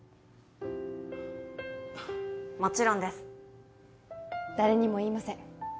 もちろんです誰にも言いません